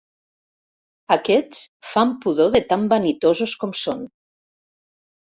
Aquests fan pudor de tan vanitosos com són.